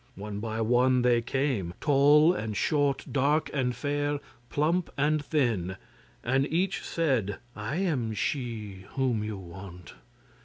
One by one they came; tall and short, dark and fair, plump and thin, and each said 'I am she whom you want.